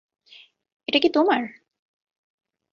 এটা কী তোমার?